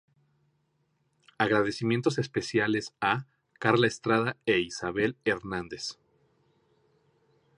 Agradecimientos especiales a: Karla Estrada e Isabel Hernández.